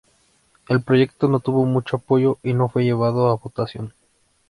El proyecto no tuvo mucho apoyo y no fue llevado a votación.